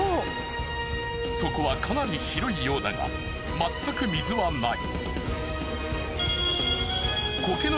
底はかなり広いようだがまったく水はない。